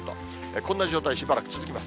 こんな状態しばらく続きます。